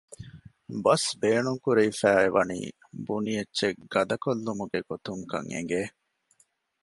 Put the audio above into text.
ބަސް ބޭނުންކުރެވިފައި އެވަނީ ބުނި އެއްޗެއް ގަދަކޮށްލުމުގެ ގޮތުން ކަން އެނގެ